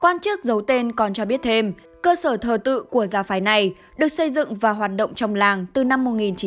quan chức giấu tên còn cho biết thêm cơ sở thờ tự của gia phái này được xây dựng và hoạt động trong làng từ năm một nghìn chín trăm bảy mươi